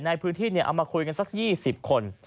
ในพื้นที่เอามาคุยกันสัก๒๐คน